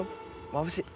まぶしっ！